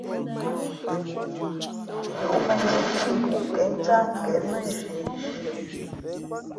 Yūʼmᾱnjīī pí mbuʼnkěn ncáh nkěn nά nzhinzhǐ nu.